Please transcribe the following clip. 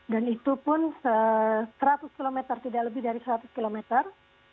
dan itu pun seratus kilometer tidak lebih dari seratus kilometer